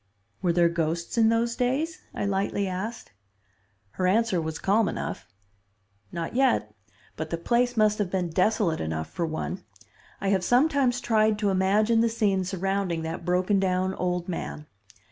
"Were there ghosts in those days?" I lightly asked. Her answer was calm enough. "Not yet, but the place must have been desolate enough for one. I have sometimes tried to imagine the scene surrounding that broken down old man.